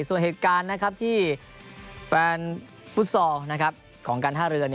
ส่วนเหตุการณ์ที่แฟนฟุตซอลของการท่าเรือ